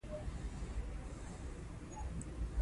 سهار د زړه تود احساس دی.